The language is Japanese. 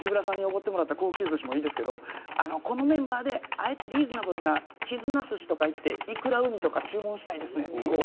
Ｚｅｅｂｒａさんにおごってもらった高級ずしもいいですけどこのメンバーであえてリーズナブルなきづなすしとか行っていくらうにとか注文したいです。